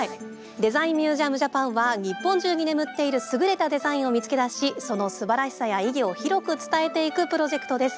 「デザインミュージアムジャパン」は日本中に眠っている優れたデザインを見つけ出しそのすばらしさや意義を広く伝えていくプロジェクトです。